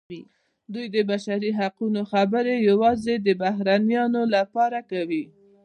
دوی د بشري حقونو خبرې یوازې د بهرنیانو لپاره کوي.